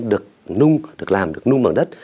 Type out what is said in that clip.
được nung được làm được nung bằng đất